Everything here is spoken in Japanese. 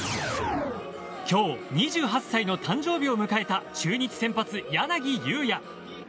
今日、２８歳の誕生日を迎えた中日先発、柳裕也。